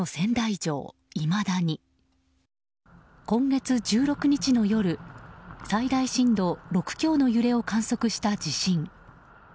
今月１６日の夜最大震度６強の揺れを観測した地震。